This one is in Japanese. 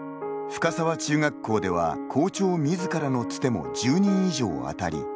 深沢中学校では校長みずからのつても１０人以上あたり